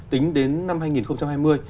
tính đến năm hai nghìn hai mươi